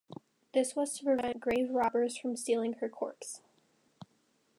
This was to prevent grave robbers from stealing her corpse.